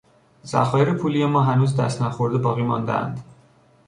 ذخایر پولی ما هنوز دست نخورده باقی ماندهاند.